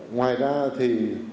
ngoài ra thì